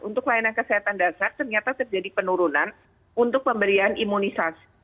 untuk layanan kesehatan dasar ternyata terjadi penurunan untuk pemberian imunisasi